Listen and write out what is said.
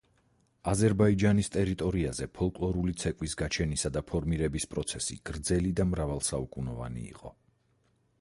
აზერბაიჯანის ტერიტორიაზე ფოლკლორული ცეკვის გაჩენისა და ფორმირების პროცესი გრძელი და მრავალსაუკუნოვანი იყო.